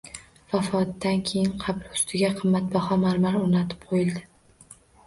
Vafotidan keyin qabri ustiga qimmatbaho marmar o‘rnatib qo‘yildi.